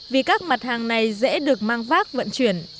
vì các mặt hàng này dễ được mang vác vận chuyển